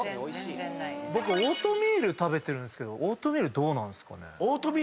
僕オートミール食べてるんすけどオートミールどうなんすかね？